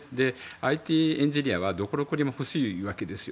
ＩＴエンジニアはどこの国も欲しいわけですよ。